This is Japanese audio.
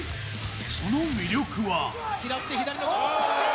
その魅力は？